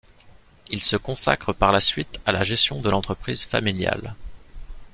Il se consacre par la suite à la gestion de l'entreprise familiale.